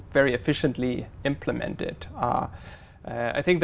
và chúng ta đang